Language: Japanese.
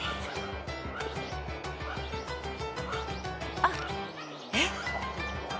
あっえっ？